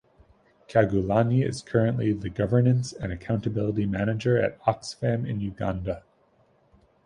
Kyagulanyi is currently the Governance and Accountability Manager at Oxfam in Uganda.